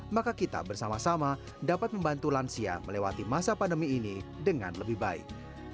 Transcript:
maka kita bersama sama dapat membantu lansia melewati masa pandemi ini dengan lebih baik